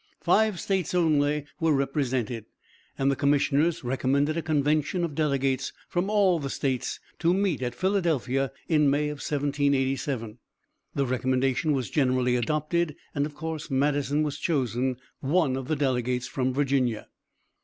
Five States only were represented, and the commissioners recommended a convention of delegates from all the States to meet at Philadelphia, in May, 1787. The recommendation was generally adopted and, of course, Madison was chosen one of the delegates from Virginia.